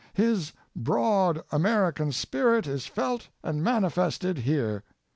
His broad American spirit is felt and manifested here.